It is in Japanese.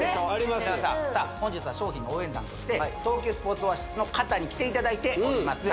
皆さん本日は商品の応援団として東急スポーツオアシスの方に来ていただいております